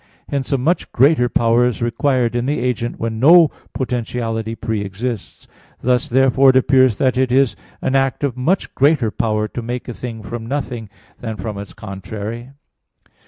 Hence a much greater power is required in the agent when no potentiality pre exists. Thus therefore it appears that it is an act of much greater power to make a thing from nothing, than from its contrary.